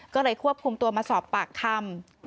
ก็เลยควบคุมตัวมาสอบปากคำ